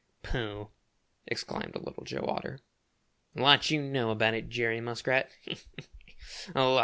"Pooh!" exclaimed Little Joe Otter. "A lot you know about it, Jerry Muskrat!